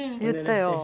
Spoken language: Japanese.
言ったよ。